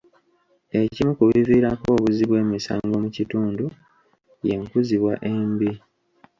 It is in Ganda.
Ekimu ku biviirako obuzzi bw'emisango mu kitundu y'enkuzibwa embi.